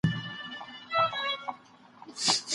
ایا هغه اوږده پاڼه ډنډ ته یووړه؟